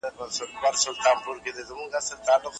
لارښود د څېړني اخلاقي اصول په ګوته کوي.